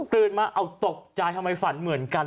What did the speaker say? มาเอาตกใจทำไมฝันเหมือนกัน